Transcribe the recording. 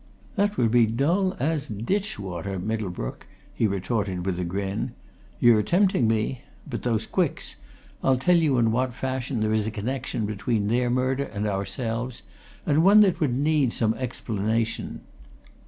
"That would be as dull as ditch water, Middlebrook," he retorted with a grin. "You're tempting me! But those Quicks I'll tell you in what fashion there is a connection between their murder and ourselves, and one that would need some explanation.